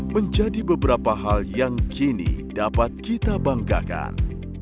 menjadi beberapa hal yang kini dapat kita banggakan